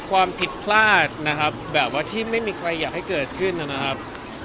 ความผิดพลาดนะครับแบบว่าที่ไม่มีใครอยากให้เกิดขึ้นนะครับ